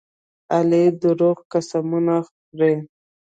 علي دروغ قسمونه خوري.